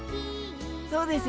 そうです。